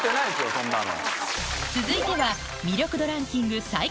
そんなの。